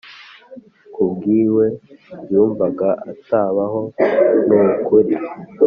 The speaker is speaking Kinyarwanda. Kubwiwe yumvaga atabaho nukuri